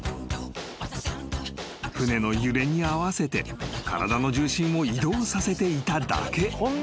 ［船の揺れに合わせて体の重心を移動させていただけ］